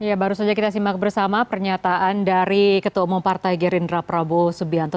ya baru saja kita simak bersama pernyataan dari ketua umum partai gerindra prabowo subianto